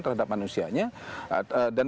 terhadap manusianya dan